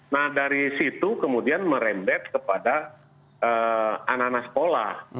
nah dari situ kemudian merembet kepada anak anak sekolah